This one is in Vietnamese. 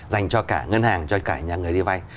dành cho cả ngân hàng cho cả nhà người đi vay